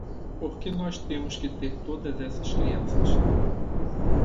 Por que nós temos que ter todas essas crianças?